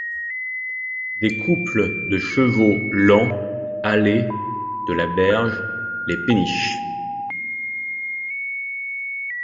Des couples de chevaux lents halaient, de la berge, les péniches.